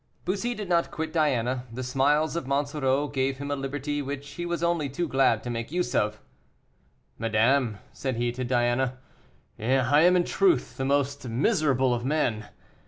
Bussy did not quit Diana; the smiles of Monsoreau gave him a liberty which he was only too glad to make use of. "Madame," said he to Diana, "I am in truth the most miserable of men.